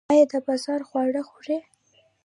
ایا د بازار خواړه خورئ؟